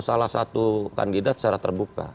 salah satu kandidat secara terbuka